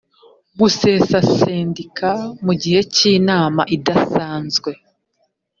gusesa sendika mugihe cy inama idasanzwe